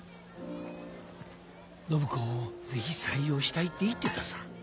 暢子を是非採用したいって言ってたさ。